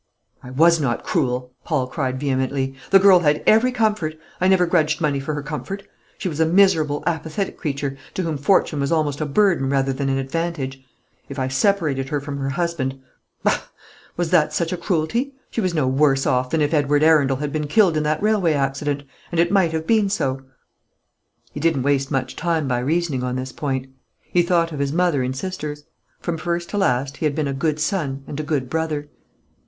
'" "I was not cruel," Paul cried vehemently; "the girl had every comfort. I never grudged money for her comfort. She was a miserable, apathetic creature, to whom fortune was almost a burden rather than an advantage. If I separated her from her husband bah! was that such a cruelty? She was no worse off than if Edward Arundel had been killed in that railway accident; and it might have been so." He didn't waste much time by reasoning on this point. He thought of his mother and sisters. From first to last he had been a good son and a good brother.